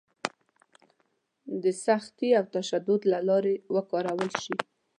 د سختي او تشدد لاره کار ورکولی شي.